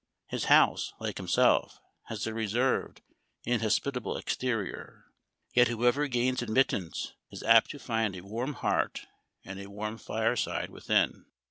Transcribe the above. His house, like himself, has a reserved, inhospitable exterior ; yet whoever gains admittance is apt to find a warm heart and a warm fireside within.